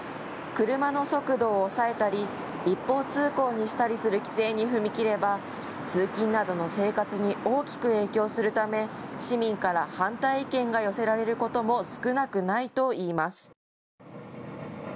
車の速度を抑えたり一方通行にしたりする規制に踏み切れば、通勤などの生活に大きく影響するため市民から反対意見が寄せられることも少なくないといいます。